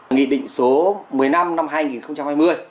nghị định số một mươi năm năm hai nghìn hai mươi